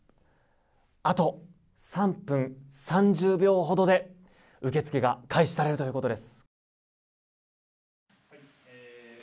あと３分３０秒ほどで受け付けが開始されるということです。